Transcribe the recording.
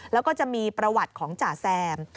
แล้วก็จะมีประวัติของจ่าแซม